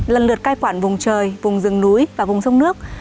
lần lượt cai quản vùng trời vùng rừng núi và vùng sông nước